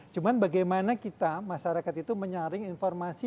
cuma bagaimana kita masyarakat itu menyaring informasi